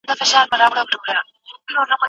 خیر محمد په خپل زړه کې یو ډول دروندوالی حس کړ.